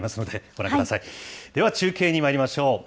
では中継にまいりましょう。